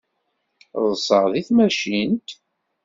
Ḍḍseɣ deg tmacint.